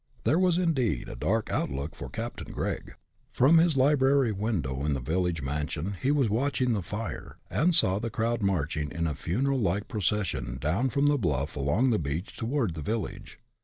There was indeed a dark look out for Captain Gregg. From his library window in the village mansion he was watching the fire, and saw the crowd march in a funeral like procession down from the bluff along the beach toward the village.